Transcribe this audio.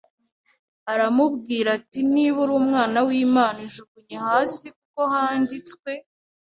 Aramubwira ati: “Niba uri Umwana w’Imana, ijugunye hasi; kuko handitswe